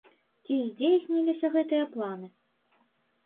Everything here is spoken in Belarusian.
Ці здзейсніліся гэтыя планы?